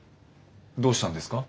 どうしたんですか？